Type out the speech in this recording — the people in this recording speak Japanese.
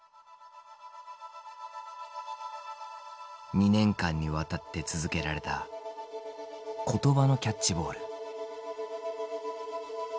２年間にわたって続けられた言葉のキャッチボール。